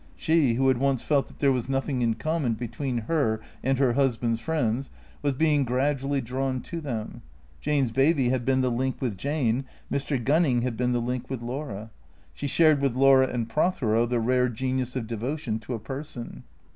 She, who had once felt that there was nothing in common between her and her husband's friends, was being gradually drawn to them. Jane's baby had been the link with Jane; Mr. Gunning had been the link with Laura; she shared with Laura and Prothero the rare genius of devotion to a person.